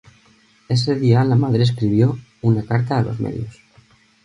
Ese día la madre escribió una carta a los medios.